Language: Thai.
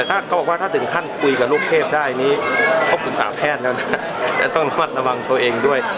ถ้าถึงท่านคุยกับลูกเทพได้ขอผิดสารแพทย์ละครับและต้องทำรับทะวังตัวเองด้วย